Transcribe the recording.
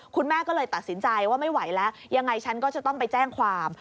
คุณแม่ก็เลยตัดสินใจว่าไม่ไหวแล้วยังไงฉันก็จะต้องไปแจ้งความ